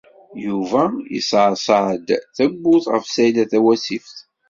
Yuba yeṣṣeɛṣeɛ-d tawwurt ɣef Saɛida Tawasift.